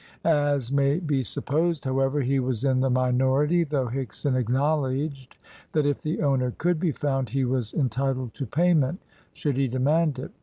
As may be supposed, however, he was in the minority, though Higson acknowledged that if the owner could be found he was entitled to payment should he demand it.